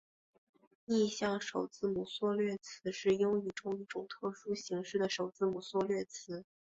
逆向首字母缩略词是英语中一种特殊形式的首字母缩略词。